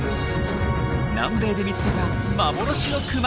南米で見つけた幻のクマ